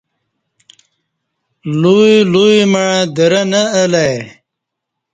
لوی لوی مع درں نہ الہ ای